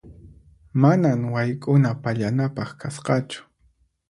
Manan wayk'una pallanapaq kasqachu.